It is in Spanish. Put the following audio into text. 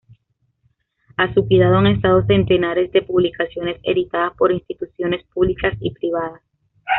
A su cuidado han estado centenares de publicaciones editadas por instituciones públicas y privadas.